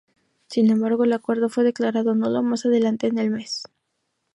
Sin embargo, el acuerdo fue declarado nulo más adelante en el mes.